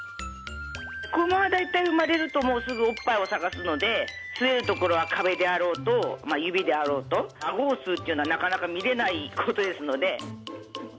子馬は生まれると、すぐおっぱいを探すので、吸えるところは壁であろうと、指であろうと、あごを吸うっていうのは、なかなか見れないことですので。